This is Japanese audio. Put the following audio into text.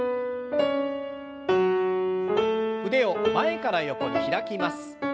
腕を前から横に開きます。